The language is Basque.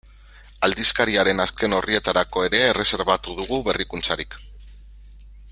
Aldizkariaren azken orrietarako ere erreserbatu dugu berrikuntzarik.